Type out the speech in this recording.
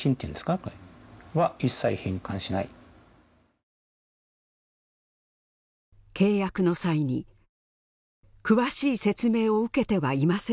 「は一切返還しない」契約の際に詳しい説明を受けてはいませんでした。